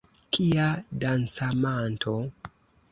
Kia dancamanto!